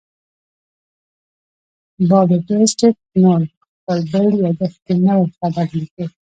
بابټیست نون په خپل بل یادښت کې نوی خبر لیکي.